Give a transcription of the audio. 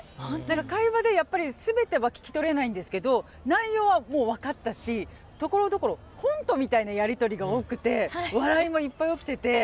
会話でやっぱり全ては聞き取れないんですけど内容はもう分かったしところどころコントみたいなやり取りが多くて笑いもいっぱい起きてて。